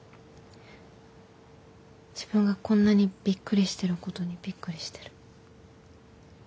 自分がこんなにびっくりしてることにびっくりしてる。